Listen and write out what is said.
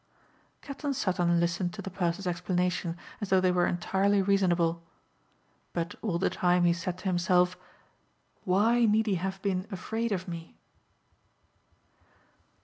Captain Sutton listened to the purser's explanation as though they were entirely reasonable. But all the time he said to himself, "why need he have been afraid of me?"